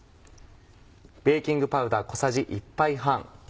ベーキングパウダー小さじ１杯半。